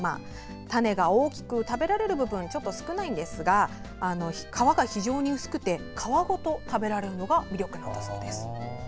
種が大きく食べられる部分はちょっと少ないですが皮が非常に薄くて皮ごと食べられるのが魅力だそうです。